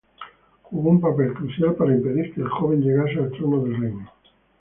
Jugó un papel crucial para impedir que el joven llegase al trono del reino.